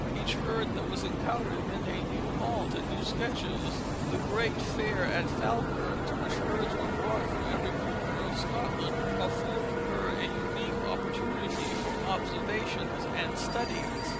Each herd that was encountered meant a new halt and new sketches. The great fair at Falkirk, to which herds were brought from every corner of Scotland, afforded her a unique opportunity for observations and studies.